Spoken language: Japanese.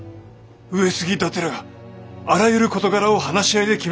上杉伊達らがあらゆる事柄を話し合いで決めてゆくのです。